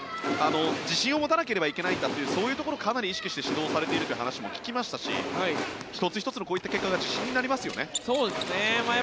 自信を持たなければいけないんだというそういうところをかなり意識して指導されているという話も聞きましたし１つ１つのこういう結果がそうですね。